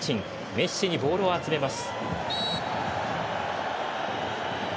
メッシにボールを集めます。